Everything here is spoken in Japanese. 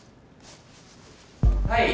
はい。